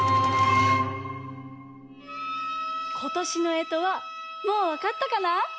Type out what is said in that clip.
ことしのえとはもうわかったかな？